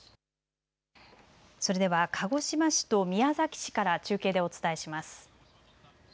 それでは鹿児島市と宮崎市から中継でお伝えします。